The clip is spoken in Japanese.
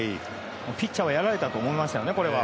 ピッチャーはやられたと思いましたよね、これは。